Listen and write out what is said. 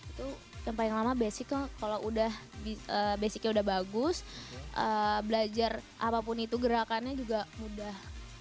itu yang paling lama basical kalau udah basicnya udah bagus belajar apapun itu gerakannya juga mudah